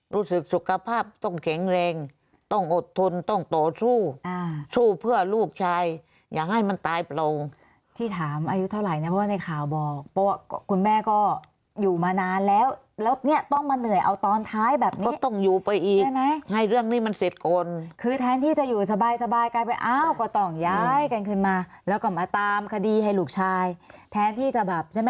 รู้สึกสุขภาพต้องแข็งแรงต้องอดทนต้องต่อสู้สู้เพื่อลูกชายอยากให้มันตายเราที่ถามอายุเท่าไหร่นะเพราะว่าในข่าวบอกเพราะว่าคุณแม่ก็อยู่มานานแล้วแล้วเนี่ยต้องมาเหนื่อยเอาตอนท้ายแบบนี้ก็ต้องอยู่ไปอีกใช่ไหมให้เรื่องนี้มันเสร็จก่อนคือแทนที่จะอยู่สบายสบายกลายเป็นอ้าวก็ต้องย้ายกันขึ้นมาแล้วก็มาตามคดีให้ลูกชายแทนที่จะแบบใช่ไหม